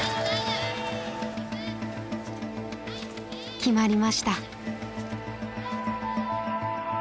決まりました。